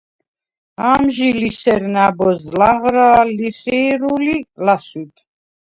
ამჟი ლი სერ ნა̈ბოზდ ლაღრა̄ლ, ლიხი̄რულ ი ლასვიბ.